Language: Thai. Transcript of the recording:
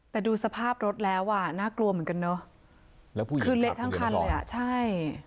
แต่ดูสภาพรถแล้วอ่ะน่ากลัวเหมือนกันเนอะแล้วผู้หญิงคือเละทั้งคันเลยอ่ะใช่